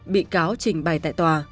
bị cáo trình bày tại tòa